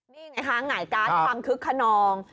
นี่ไงคะหงายการ์ดความคึกขนอง